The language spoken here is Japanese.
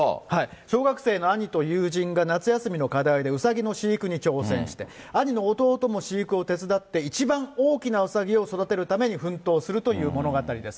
小学生の兄と友人が夏休みの課題でうさぎの飼育に挑戦して、一番大きなうさぎを育てるために奮闘するという物語です。